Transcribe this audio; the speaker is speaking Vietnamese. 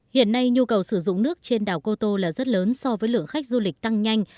hiện nay nhu cầu sử dụng nước trên đảo cô tô là rất lớn so với lượng khách du lịch tăng nhanh